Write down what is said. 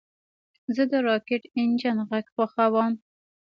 زه د راکټ انجن غږ خوښوم.